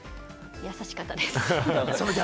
優しかったです。